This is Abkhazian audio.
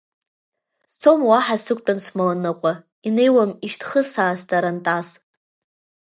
Сцом уаҳа сықәтәан смаланыҟәа, инеиуам ишьҭхысаа старантас.